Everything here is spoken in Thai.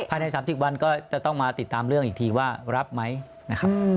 ใน๓๐วันก็จะต้องมาติดตามเรื่องอีกทีว่ารับไหมนะครับ